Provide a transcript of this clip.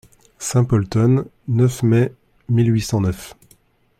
Saint-Polten, neuf mai mille huit cent neuf.